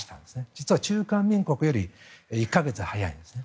実は中華民国より１か月早いんです。